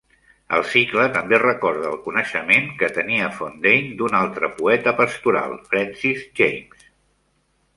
El cicle també recorda el coneixement que tenia Fondane d'un altre poeta pastoral, Francis Jammes.